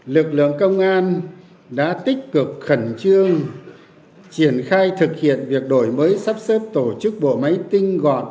lực lượng công an đã tích cực khẩn trương triển khai thực hiện việc đổi mới sắp xếp tổ chức bộ máy tinh gọn